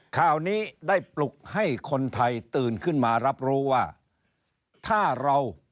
ข่าวนี้ได้ปลุกให้คนไทยตื่นขึ้นมารับรู้ว่าถ้าเรา